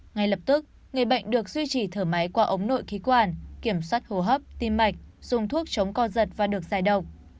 ngay lập tức người bệnh được duy trì thở máy qua ống nội khí quản kiểm soát hồ hấp tim mạch dùng thuốc chống co giật và được giải độc